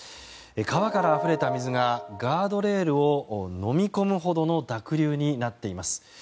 川からあふれた水がガードレールをのみ込むほどの濁流になっています。